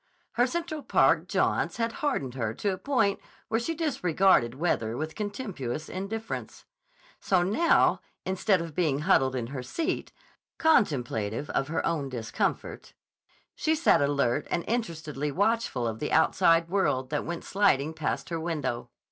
Her Central Park jaunts had hardened her to a point where she disregarded weather with contemptuous indifference. So now, instead of being huddled in her seat, contemplative of her own discomfort, she sat alert and interestedly watchful of the outside world that went sliding past her window.